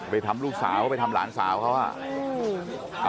ไปทำลูกสาวไปทำหลานสาวเขา